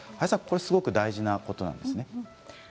すごく大事なことなんですよね。